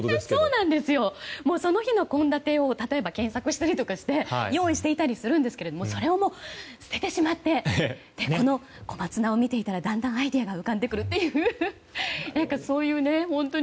その日の献立を検索したりして用意していたりしているんですけどそれを捨ててしまって小松菜を見ていたら、だんだんアイデアが浮かんでくるとか。